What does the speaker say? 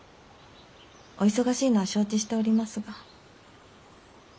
お忙しいのは承知しておりますが。